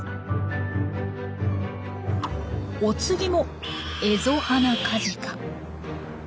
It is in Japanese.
お次もエゾハナカジカ。